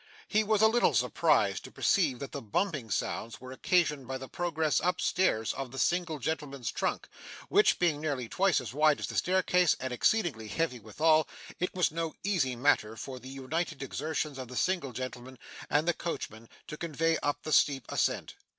He was a little surprised to perceive that the bumping sounds were occasioned by the progress up stairs of the single gentleman's trunk, which, being nearly twice as wide as the staircase, and exceedingly heavy withal, it was no easy matter for the united exertions of the single gentleman and the coachman to convey up the steep ascent.